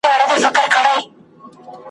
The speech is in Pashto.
وطن چي ښځو لره زندان سي ,